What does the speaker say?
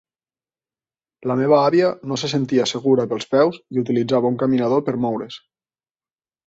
La meva àvia no se sentia segura pels peus i utilitzava un caminador per moure"s